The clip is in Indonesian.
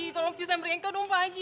tolong bisa mereka dong pak haji